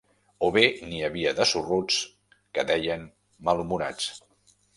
O bé n'hi havia de sorruts que deien malhumorats: